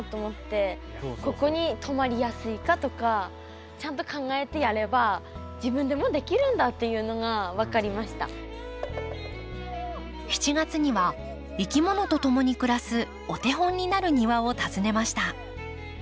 ここにとまりやすいかとかちゃんと考えてやれば７月にはいきものとともに暮らすお手本になる庭を訪ねました。